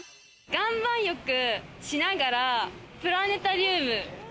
岩盤浴しながらプラネタリウム。